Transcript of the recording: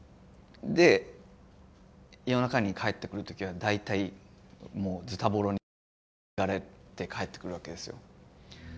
で夜中に帰ってくる時は大体もうズタボロに打ちひしがれて帰ってくるわけですよ。